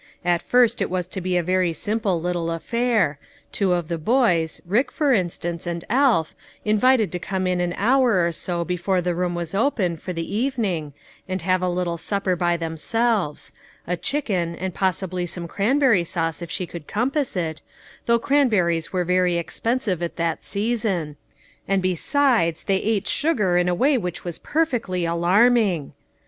At first it was to be a very simple little affair; two of the boys, Rick for instance, and Alf, invited to come in an hour or so before the room was open for the evening, and have a little supper by them selves a chicken, and possibly some cran berry sauce if she could compass it, though cranberries were very expensive at that season, and besides, they ate sugar in a way which was perfectly alarming